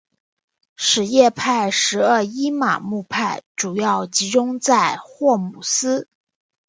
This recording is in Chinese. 什叶派十二伊玛目派主要集中在霍姆斯。